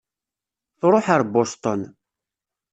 Tṛuḥ ar Boston.